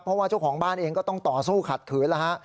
เพราะว่าเจ้าของบ้านเองก็ต้องต่อสู้ขัดขืนแล้วฮะ